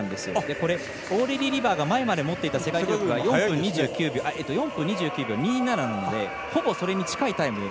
これはオーレリー・リバーが前まで持っていた世界記録が４分２９秒２７なのでほぼそれに近いタイム。